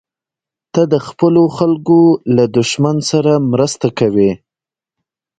ته د خپلو خلکو له دښمن سره مرسته کوې.